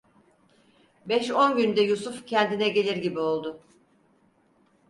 Beş on günde Yusuf kendine gelir gibi oldu.